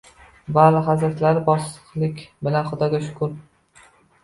Vale hazratlari bosiqlik bilan Xudoga shukr